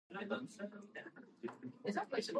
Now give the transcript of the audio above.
彼は天才である